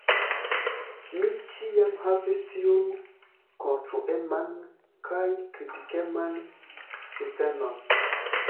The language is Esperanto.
Mi ĉiam havis tiun konstrueman kaj kritikeman sintenon.